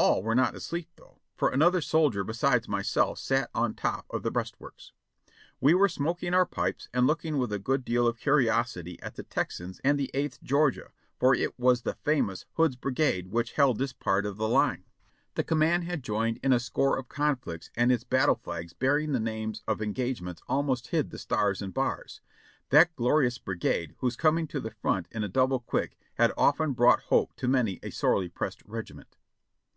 All were not asleep, though, for another soldier besides myself sat on top of the breastworks. We were smoking our pipes and looking with a good deal of curiosity at the Texans and the Eighth Georgia, for it was the famous 'Hood's brigade* which held this part of the line. The command had joined in a score of conflicts and its battle flags bearing the names of the engagements almost hid the stars and bars — that glorious bri gade whose coming to the front in a double quick had often brought hope to many a sorely pressed regiment.